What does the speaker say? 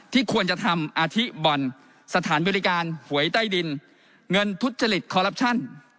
ที่ควรจะทำอาธิบอลสถานบริการหวยใต้ดินเงินทุษฎฤทธิ์คอรัปชั่น